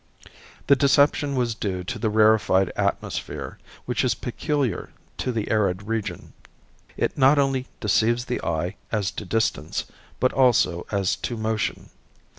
The deception was due to the rarefied atmosphere, which is peculiar to the arid region. It not only deceives the eye as to distance, but also as to motion.